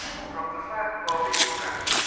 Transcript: From the flag or beacon, the N.